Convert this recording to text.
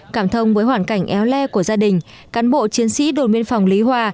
cảm thông với hoàn cảnh éo le của gia đình cán bộ chiến sĩ đồn biên phòng lý hòa